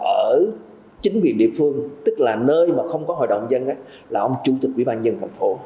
ở chính quyền địa phương tức là nơi mà không có hội đồng dân là ông chủ tịch quỹ ban nhân thành phố